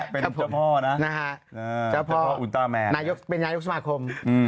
เป็นเจ้าพ่อนะเป็นนายุคสมาคม